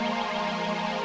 pakai seharusnya sebentar ya